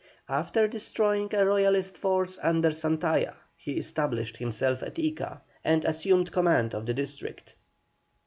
After destroying a Royalist force under Santalla, he established himself at Ica and assumed command of the district.